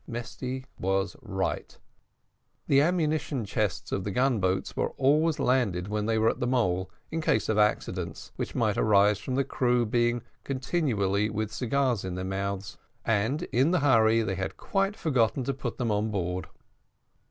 Mesty was right the ammunition chests of the gun boats were always landed when they were at the mole, in case of accidents, which might arise from the crew being continually with cigars in their mouths, and in the hurry they had quite forgotten to put them on board.